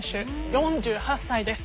４８歳です。